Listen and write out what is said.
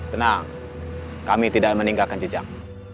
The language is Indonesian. tenang kami tidak meninggalkan jejak